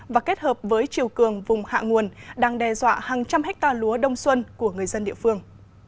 và kết hợp với chiều cường vùng hạ nguồn đang đe dọa hàng trăm hectare lúa đông xuân của người dân địa phương